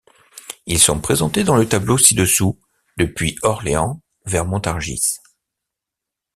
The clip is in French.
Ils sont présentés dans le tableau ci-dessous depuis Orléans vers Montargis.